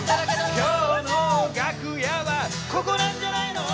「今日の楽屋はここなんじゃないの」